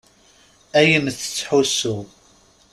Ayen tettḥussu.